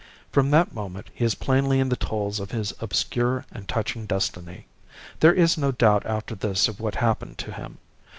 From that moment he is plainly in the toils of his obscure and touching destiny. There is no doubt after this of what happened to him.